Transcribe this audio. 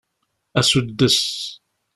Asuddes.